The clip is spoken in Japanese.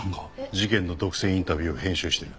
事件の独占インタビューを編集してる。